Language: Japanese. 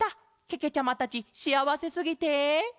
けけちゃまたちしあわせすぎて。